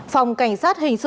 phòng cảnh sát hình thức